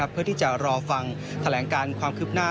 เพื่อที่จะรอฟังแถลงการความคืบหน้า